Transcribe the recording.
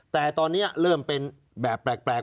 แต่ตอนนี้เริ่มเป็นแบบแปลก